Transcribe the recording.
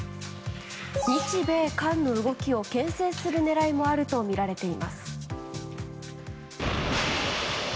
日米韓の動きを牽制する狙いもあるとみられています。